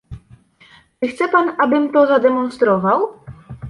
"Czy chce pan abym to zademonstrował?"